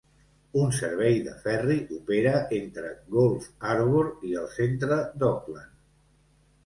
Un servei de ferri opera entre Gulf Harbour i el centre d'Auckland.